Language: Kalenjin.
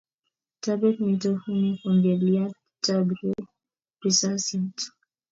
Taben mito huni kogeliet tab risasiat